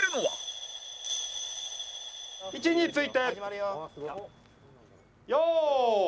位置について用意。